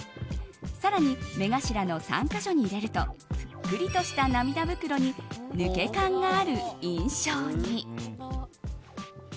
更に、目頭の３か所に入れるとぷっくりとした涙袋に抜け感がある印象に。